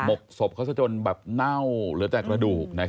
หมกศพเขาจนแน่าเลือดแตกระดูก